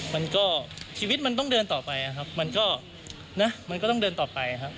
มันก็ชีวิตมันต้องเดินต่อไปนะครับมันก็นะมันก็ต้องเดินต่อไปครับ